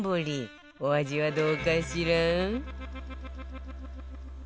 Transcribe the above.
お味はどうかしら？